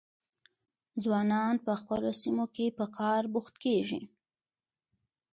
ځوانان په خپلو سیمو کې په کار بوخت کیږي.